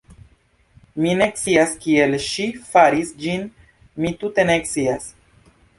Mi ne scias kiel ŝi faris ĝin, mi tute ne scias!".